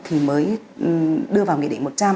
thì mới đưa vào nghị định một trăm linh